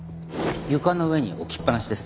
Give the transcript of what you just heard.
床の上に置きっぱなしです。